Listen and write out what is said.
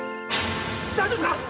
大丈夫ですか？